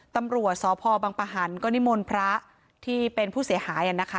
ตำรวจสพบังปะหันก็นิมนต์พระที่เป็นผู้เสียหายนะคะ